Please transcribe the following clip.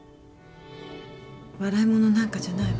笑い者なんかじゃないわ。